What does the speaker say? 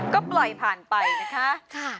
ก็ปล่อยผ่านไปนะคะ